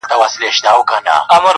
بېله ځنډه به دې یوسي تر خپل کلي٫